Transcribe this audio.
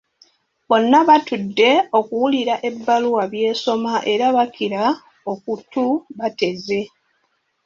Bonna baatudde okuwulira bbaluwa by’esoma era bakira okutu bateze.